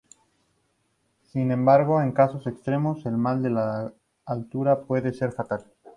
Sin embargo, en casos extremos, el mal de la altura puede ser fatal.